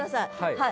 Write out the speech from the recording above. はい。